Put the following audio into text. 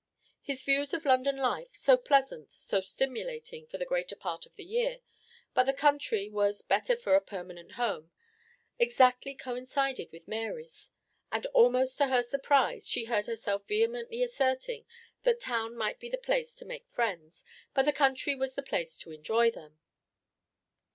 His views of London life so pleasant, so stimulating for the greater part of the year, but the country was better for a permanent home exactly coincided with Mary's; and almost to her surprise, she heard herself vehemently asserting that town might be the place to make friends, but the country was the place to enjoy them.